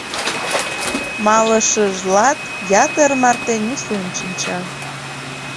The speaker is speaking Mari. Малышыжлат, ятыр марте нюслен шинча.